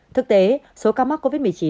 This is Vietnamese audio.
thực tế số ca mắc covid một mươi chín